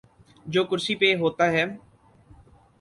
جو کرسی پہ ہوتا ہے۔